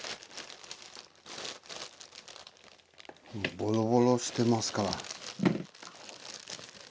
ボロボロしてますから。